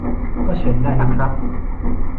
ก็เชิญได้นะครับ